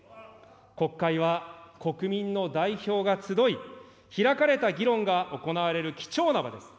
国会は国民の代表が集い、開かれた議論が行われる貴重な場です。